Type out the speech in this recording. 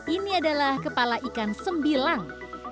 ini adalah kepala ikan sembilang